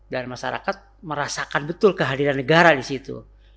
dan masyarakat merasakan betul kehadiran negara di situ